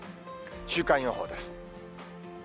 週間予報です。